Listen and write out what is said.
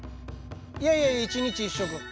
いやいや１日１食。